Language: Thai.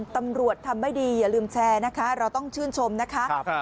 ตำรวจทำไม่ดีอย่าลืมแชร์นะคะเราต้องชื่นชมนะคะ